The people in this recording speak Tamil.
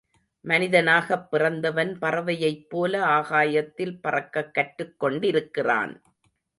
மனிதனாகப் பிறந்தவன் பறவையைப் போல ஆகாயத்தில் பறக்கக் கற்றுக்கொண்டிருக்கிறான்.